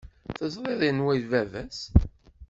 Teẓriḍ anwa i d baba-s?